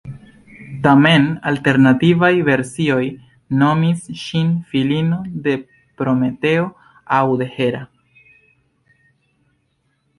Tamen, alternativaj versioj nomis ŝin filino de Prometeo aŭ de Hera.